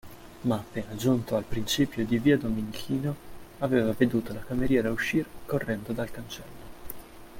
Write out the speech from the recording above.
Ma appena giunto al principio di via Domenichino, aveva veduto la cameriera uscir correndo dal cancello.